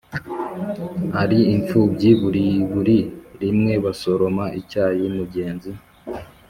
ari imfubyi buriburi. Rimwe basoroma icyayi, mugenzi